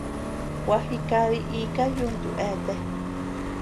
Gua jikadi ika yuntu eatea.